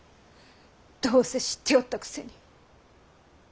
どうせ知っておったくせに。